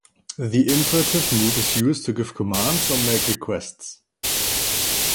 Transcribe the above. The imperative mood is used to give commands or make requests.